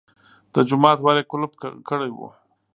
د جومات ور یې قلف کړی و.